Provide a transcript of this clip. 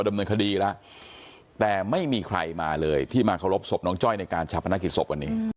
น้องจ้อยนั่งก้มหน้าไม่มีใครรู้ข่าวว่าน้องจ้อยเสียชีวิตไปแล้ว